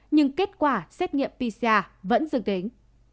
nhưng kết quả xét nghiệm pcr vẫn dương tính